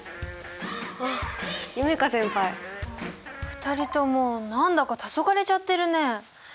２人とも何だかたそがれちゃってるねえ。